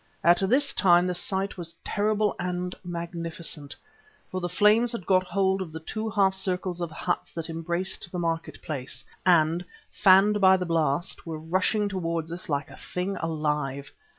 At this time the sight was terrible and magnificent, for the flames had got hold of the two half circles of huts that embraced the market place, and, fanned by the blast, were rushing towards us like a thing alive.